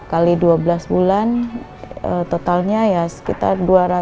kali dua belas bulan totalnya ya sekitar dua ratus enam puluh satu enam ratus